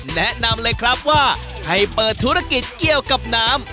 แนะนำเลยครับว่าให้เปิดธุรกิจเกี่ยวกับน้ำ